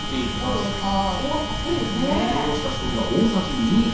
すりおろしたしょうが大さじ２。